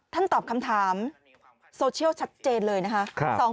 ตอบคำถามโซเชียลชัดเจนเลยนะคะ